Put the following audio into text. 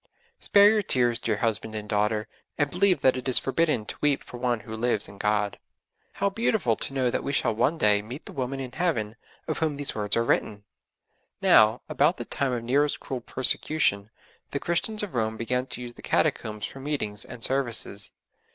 'Spare your tears, dear husband and daughter, and believe that it is forbidden to weep for one who lives in God.' How beautiful to know that we shall one day meet the woman in Heaven of whom these words are written! Now, about the time of Nero's cruel persecution, the Christians of Rome began to use the Catacombs for meetings and services.